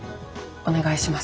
お願いします。